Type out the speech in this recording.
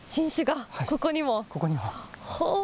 ここにも。